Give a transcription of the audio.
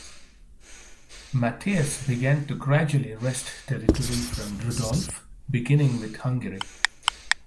Matthias began to gradually wrest territory from Rudolf, beginning with Hungary.